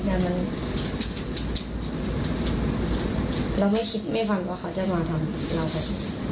แต่เราไม่คิดไม่ฟังว่าเขาจะมาทำเราแบบนี้